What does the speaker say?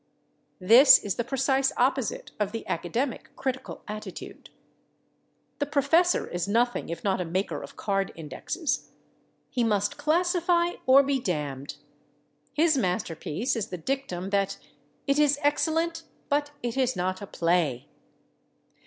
This is the precise opposite of the academic critical attitude. The professor is nothing if not a maker of card indexes; he must classify or be damned. His masterpiece is the dictum that "it is excellent, but it is not a play."